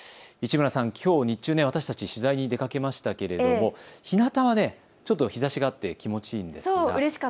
市村さん、きょう日中、私たち取材に出かけましたけれどもひなたはちょっと日ざしがあって気持ちいいですね。